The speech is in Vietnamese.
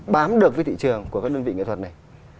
bám được với thị trường của các đơn vị nghệ thuật này